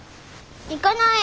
行かない！